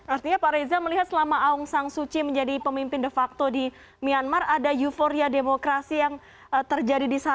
artinya pak reza melihat selama aung san suu kyi menjadi pemimpin de facto di myanmar ada euforia demokratis